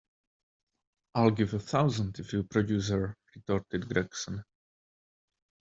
I'll give a thousand if you produce her, retorted Gregson.